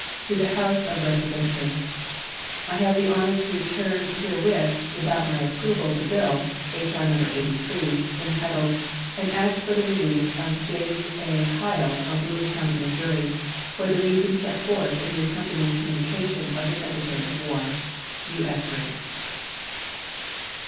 To the House of Representatives: I have the honor to return herewith without my approval the bill (H.R. No. 83) entitled "An act for the relief of James A. Hile, of Lewis County, Mo.," for the reasons set forth in the accompanying communication of the Secretary of War. U.S. GRANT.